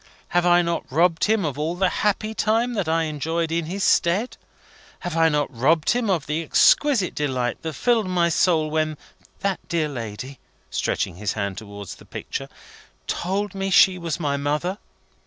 Have I not robbed him of all the happy time that I enjoyed in his stead? Have I not robbed him of the exquisite delight that filled my soul when that dear lady," stretching his hand towards the picture, "told me she was my mother?